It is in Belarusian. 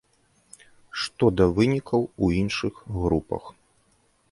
Што да вынікаў у іншых групах.